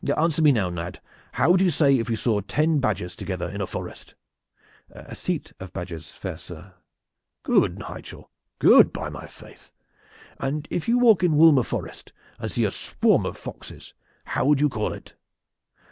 Answer me now, lad, how would you say if you saw ten badgers together in the forest?" "A cete of badgers, fair sir." "Good, Nigel good, by my faith! And if you walk in Woolmer Forest and see a swarm of foxes, how would you call it?"